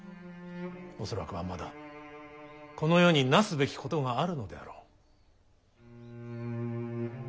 恐らくはまだこの世になすべきことがあるのであろう。